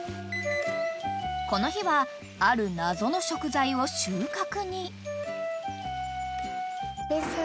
［この日はある謎の食材を収穫に］